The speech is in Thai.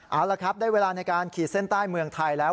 เอาละครับได้เวลาในการขีดเส้นใต้เมืองไทยแล้ว